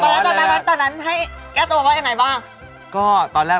คือเขาลืมไปแล้ว